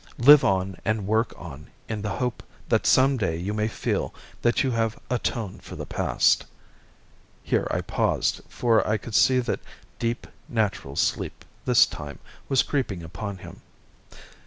Live on and work on in the hope that some day you may feel that you have atoned for the past." Here I paused, for I could see that deep, natural sleep this time, was creeping upon him.